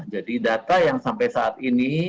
yang menunjukkan bahwa apakah ini adalah data yang menunjukkan